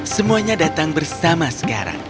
semuanya datang bersama sekarang